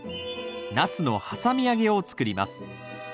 ナスのはさみ揚げを作ります。